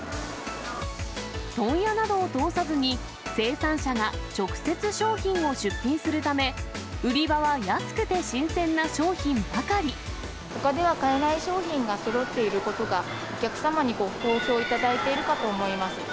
問屋などを通さずに、生産者が直接商品を出品するため、ほかでは買えない商品がそろっていることが、お客様にご好評いただいているかと思います。